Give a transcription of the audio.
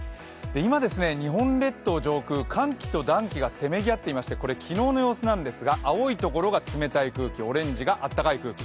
今、日本列島上空、寒気と暖気がせめぎ合っていまして、これ昨日の様子なんですが、青いところが冷たい空気、オレンジが暖かい空気。